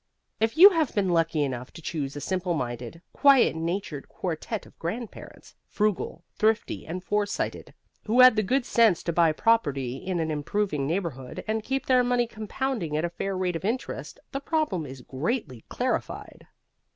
If you have been lucky enough to choose a simple minded, quiet natured quartet of grandparents, frugal, thrifty and foresighted, who had the good sense to buy property in an improving neighborhood and keep their money compounding at a fair rate of interest, the problem is greatly clarified.